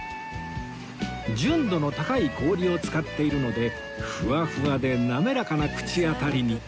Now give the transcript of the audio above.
純度の高い氷を使っているのでフワフワで滑らかな口当たりに